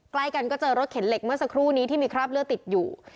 ใกล้กันก็เจอรถเข็นเหล็กเมื่อสักครู่นี้ที่มีคราบเลือดติดอยู่